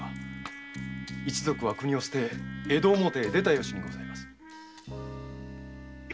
一族は国を捨て江戸表へ出た由にございます。